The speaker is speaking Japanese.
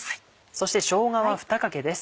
そしてしょうがは２かけです。